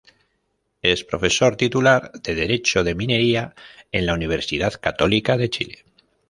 Es profesor titular de Derecho de Minería en la Universidad Católica de Chile.